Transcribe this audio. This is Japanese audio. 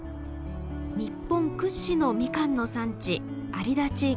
日本屈指のみかんの産地有田地域。